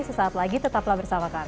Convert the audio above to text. sesaat lagi tetaplah bersama kami